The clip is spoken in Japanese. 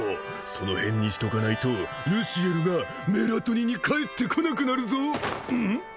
その辺にしとかないとルシエルがメラトニに帰ってこなくなるぞ